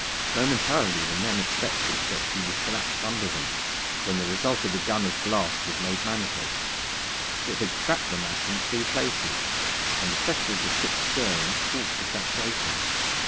Momentarily the men expected that she would collapse under them, when the result of the gunner's blast was made manifest. It had cracked the mass in three places, and the pressure of the ship's stern forced the cracks open.